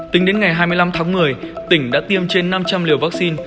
tính đến ngày hai mươi năm tháng một mươi tỉnh đã tiêm trên năm trăm linh liều vaccine